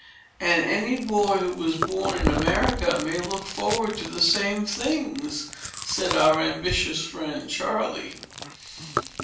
"And any boy, who is born in America, may look forward to the same things," said our ambitious friend Charley.